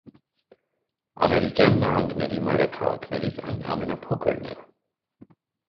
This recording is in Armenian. Ամերիկյան նահանգների մայրաքաղաքներից այն ամենափոքրն է։